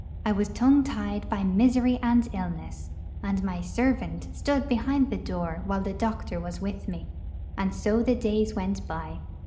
I was tongue tied by misery and illness, and my 'servant' stood behind the door while the doctor was with me. And so the days went by.